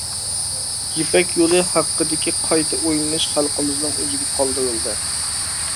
يىپەك يولى ھەققىدىكى قايتا ئويلىنىش خەلقىمىزنىڭ ئۆزىگە قالدۇرۇلدى.